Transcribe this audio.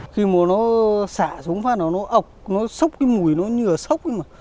khi mà nó xả xuống phát nó ọc nó sốc cái mùi nó như là sốc